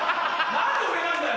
何で俺なんだよ！